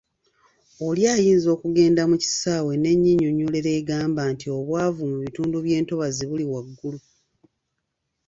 Oli ayinza okugenda mu kisaawe n’ennyinyonnyolero egamba nti obwavu mu bitundu by’entobazi buli waggulu.